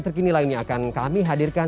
terkini lainnya akan kami hadirkan